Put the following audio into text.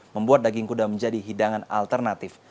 membuat daging kuda menjadi hidangan alternatif